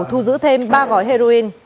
thu giữ thêm ba gói heroin